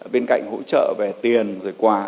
bên cạnh hỗ trợ về tiền rồi quà